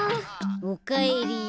おかえり。